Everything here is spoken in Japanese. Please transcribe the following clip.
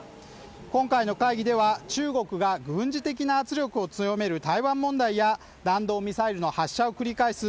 今回の会議では中国が軍事的な圧力を強める台湾問題や弾道ミサイルの発射を繰り返す